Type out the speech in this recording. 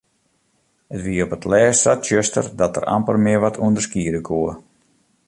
It wie op 't lêst sa tsjuster dat er amper mear wat ûnderskiede koe.